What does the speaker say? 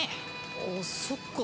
ああそっか。